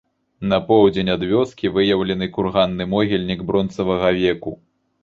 На поўдзень ад вёскі выяўлены курганны могільнік бронзавага веку.